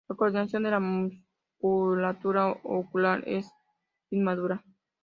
La coordinación de la musculatura ocular es inmadura.